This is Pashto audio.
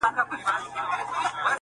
په ياغيانو کي منلى وو سردار وو .!